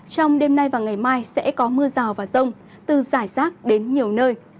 trong đêm nay và ngày mai sẽ có mưa rào và rông từ giải rác đến nhiều nơi